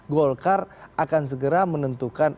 golkar akan segera menentukan